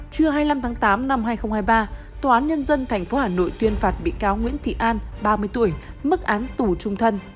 trưa hai mươi năm tháng tám năm hai nghìn hai mươi ba tòa án nhân dân tp hà nội tuyên phạt bị cáo nguyễn thị an ba mươi tuổi mức án tù trung thân